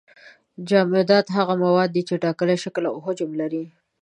جامدات هغه مواد دي چې ټاکلی شکل او حجم لري.